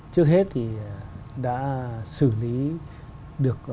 trước hết thì đã xử lý được